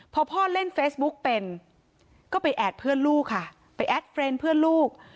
พอพ่อเล่นเฟซบุ๊กเป็นก็ไปแอดเพื่อนลูกค่ะไปแอดเฟรนด์เพื่อนลูก